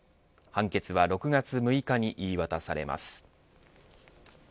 判決は６月６日に言い渡されます。